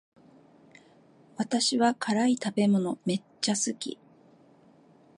私は辛い食べ物めっちゃ好き